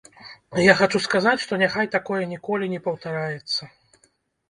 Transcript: Я хачу сказаць, што няхай такое ніколі не паўтараецца.